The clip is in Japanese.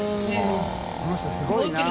この人すごいな。